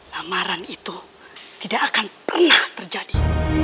lamaran itu tidak akan pernah terjadi